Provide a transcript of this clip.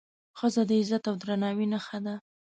ښځه د عزت او درناوي نښه ده.